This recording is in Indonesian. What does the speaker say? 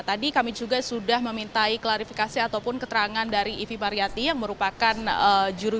tadi kami juga sudah memintai klarifikasi ataupun keterangan dari ivi mariyati yang merupakan juru